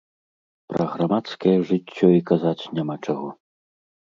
Пра грамадскае жыццё і казаць няма чаго.